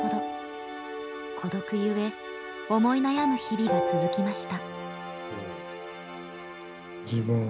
孤独ゆえ思い悩む日々が続きました。